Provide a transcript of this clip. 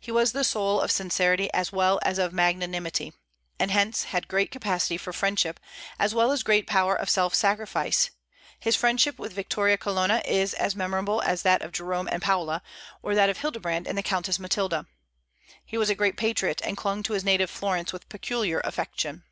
He was the soul of sincerity as well as of magnanimity; and hence had great capacity for friendship, as well as great power of self sacrifice His friendship with Vittoria Colonna is as memorable as that of Jerome and Paula, or that of Hildebrand and the Countess Matilda. He was a great patriot, and clung to his native Florence with peculiar affection.